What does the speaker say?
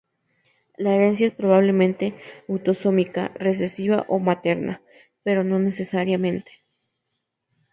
La herencia es probablemente autosómica recesiva o materna, pero no necesariamente.